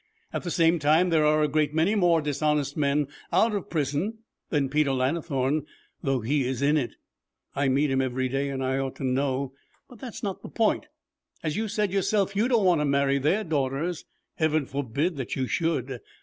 At the same time there are a great many more dishonest men out of prison than Peter Lannithorne, though he is in it. I meet 'em every day, and I ought to know. But that's not the point. As you said yourself, you don't want to marry their daughters. Heaven forbid that you should!